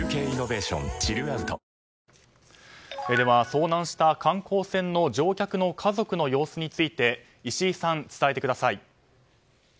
遭難した観光船の乗客の家族の様子について石井さん、伝えてください。